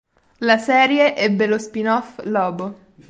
La serie ebbe lo spin-off "Lobo".